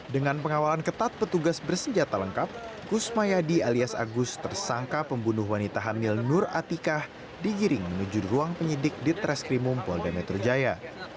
dengan pengawalan ketat petugas bersenjata lengkap kusmayadi alias agus tersangka pembunuh wanita hamil nur atikah digiring menuju ruang penyidik di treskrimum polda metro jaya